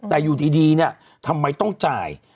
แต่อยู่ดีทำไมต้องจ่าย